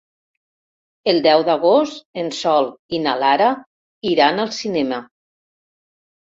El deu d'agost en Sol i na Lara iran al cinema.